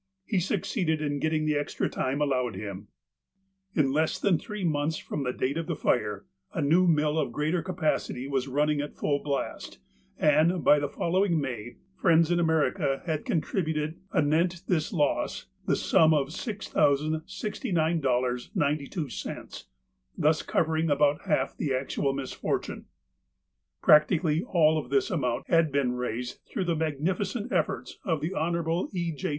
He succeeded in getting extra time allowed him. In THE PIONEERS 303 less than three months from the date of the fire, a new mill of greater capacity was running at full blast, and, by the following May, friends in America had con tributed, anent this loss, the sum of $6,069.92, thus covering about half of the actual misfortune. Practically all of this amount had been raised through the magnificent efforts of the Hon. E. J.